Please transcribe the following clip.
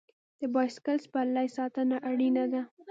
د بایسکل سپرلۍ ساتنه اړینه ده.